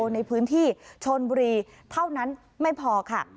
ในพื้นที่ชนบุรีเท่านั้นไม่พอค่ะ